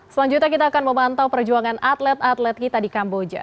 selanjutnya kita akan memantau perjuangan atlet atlet kita di kamboja